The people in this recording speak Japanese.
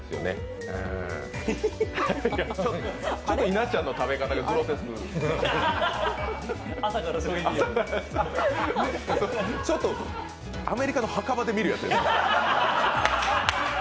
ちょっと稲ちゃんの食べ方がグロテスクちょっと、アメリカの墓場で見るやつです。